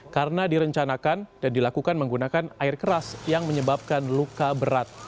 karena direncanakan dan dilakukan menggunakan air keras yang menyebabkan luka berat